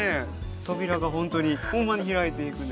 扉がほんとにほんまに開いていくね。